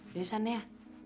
iya san ya